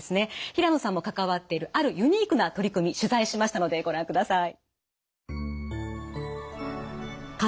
平野さんも関わっているあるユニークな取り組み取材しましたのでご覧ください。